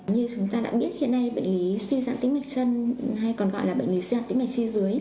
như chúng ta đã biết hiện nay bệnh lý suy dãn tĩnh mạch chân hay còn gọi là bệnh lý suy dãn tĩnh mạch chi dưới